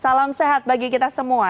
salam sehat bagi kita semua